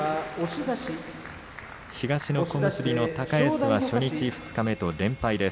東の小結高安初日、二日と連敗です。